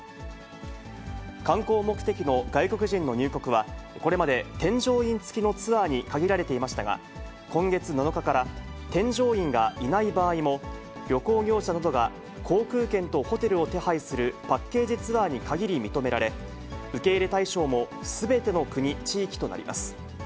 観光目的の外国人の入国は、これまで添乗員付きのツアーに限られていましたが、今月７日から、添乗員がいない場合も、旅行業者などが航空券とホテルを手配するパッケージツアーに限り認められ、受け入れ対象も、すべての国・地域となります。